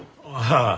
ああ。